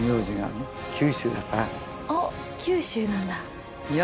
おっ九州なんだ。